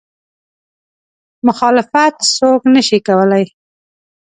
مخالفت څوک نه شي کولی.